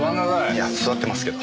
いや座ってますけど。